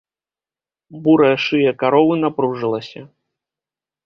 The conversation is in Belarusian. Бурая шыя каровы напружылася.